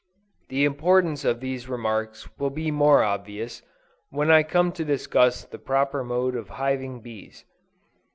The importance of these remarks will be more obvious, when I come to discuss the proper mode of hiving bees.